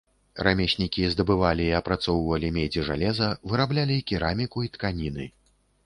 Рамеснікі здабывалі і апрацоўвалі медзь і жалеза, выраблялі кераміку і тканіны.